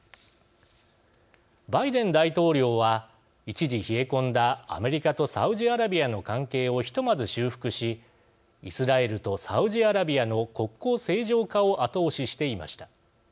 バイデン大統領は一時冷え込んだアメリカとサウジアラビアの関係をひとまず修復しイスラエルとサウジアラビアの国交正常化を後押ししていました。